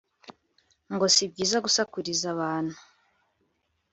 ngo sibyiza gusakuriza abantu